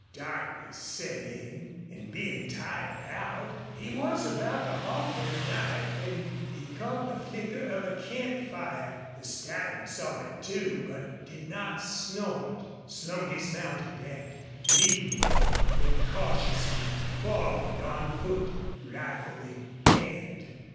Darkness set in, and, being tired out, he was about to halt for the night when he caught the flicker of a campfire. The stallion saw it, too, but did not snort. Slone dismounted and, leading him, went cautiously forward on foot, rifle in hand.